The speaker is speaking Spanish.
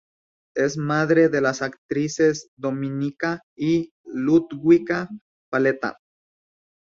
Es madre de las actrices Dominika y Ludwika Paleta.